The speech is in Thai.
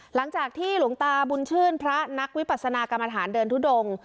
หลังจากที่หลวงตาบุญชื่นพระนักวิปัสนากรรมฐานเดินทุดง